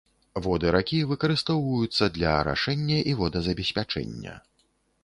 Воды ракі выкарыстоўваюцца для арашэння і водазабеспячэння.